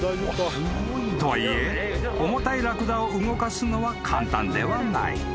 ［とはいえ重たいラクダを動かすのは簡単ではない］